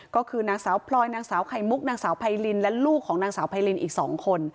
ก็คือนางสาวพลอยนางสาวไข่มุกนางสาวไพรินและลูกของนางสาวไพรินอีก๒คน